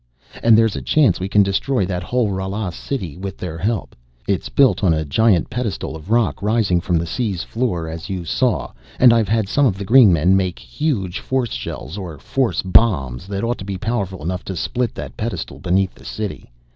"And there's a chance we can destroy that whole Rala city with their help. It's built on a giant pedestal of rock rising from the sea's floor, as you saw, and I've had some of the green men make huge force shells or force bombs that ought to be powerful enough to split that pedestal beneath the city.